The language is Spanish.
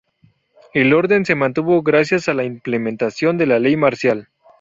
El orden se mantuvo gracias a la implementación de la Ley Marcial.